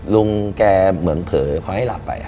ลุงแกเหมือนเผลอพอให้หลับไป